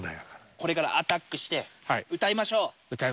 これからアタックして、歌います。